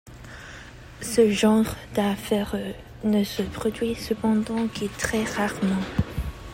Ce genre d'affaires ne se produit cependant que très rarement.